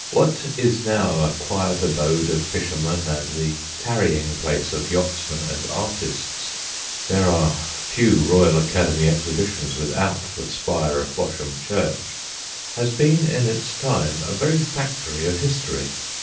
What is now a quiet abode of fishermen and the tarrying place of yachtsmen and artists (there are few Royal Academy exhibitions without the spire of Bosham church) has been in its time a very factory of history.